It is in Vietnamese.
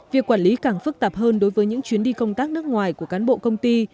việc quản lý càng phức tạp hơn đối với những chuyến đi công tác nước ngoài của cán bộ công ty